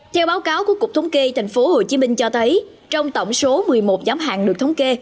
theo báo cáo của cục thống kê tp hcm cho thấy trong tổng số một mươi một giám hạn được thống kê